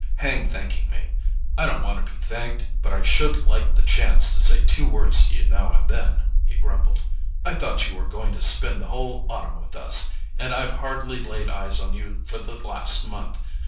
"Hang thanking me—I don't want to be thanked, but I SHOULD like the chance to say two words to you now and then," he grumbled. "I thought you were going to spend the whole autumn with us, and I've hardly laid eyes on you for the last month.